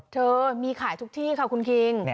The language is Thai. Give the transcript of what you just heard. เธอมีขายทุกที่ค่ะคุณคิง